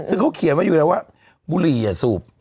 ซึ่งเขาเขียนไว้อยู่แล้วว่าบุหรี่สูบ